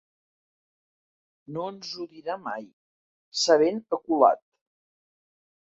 No ens ho dirà mai: s'ha ben aculat.